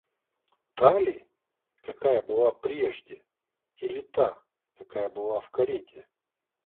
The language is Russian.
Та ли, какая была прежде, или та, какая была в карете?